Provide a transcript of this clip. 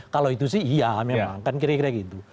kalau itu sih iya memang kan kira kira gitu